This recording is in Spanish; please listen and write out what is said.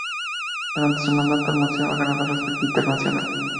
Durante su mandato, el museo ha ganado el respeto internacional.